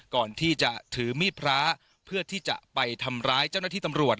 ก่อนที่จะถือมีดพระเพื่อที่จะไปทำร้ายเจ้าหน้าที่ตำรวจ